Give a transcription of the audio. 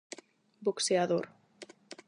Boxeador.